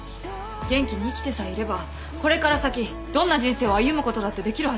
元気に生きてさえいればこれから先どんな人生を歩むことだってできるはずです。